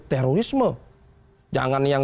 terorisme jangan yang